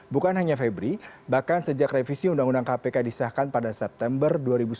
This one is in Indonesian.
bukan hanya febri bahkan sejak revisi undang undang kpk disahkan pada september dua ribu sembilan belas